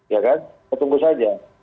ya kan kita tunggu saja